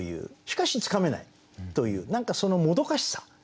しかしつかめないという何かそのもどかさしさ。